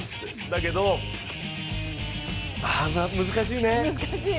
だけど難しいね。